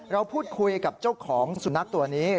เราพูดคุยกับเจ้าของสุนัขตัวนี้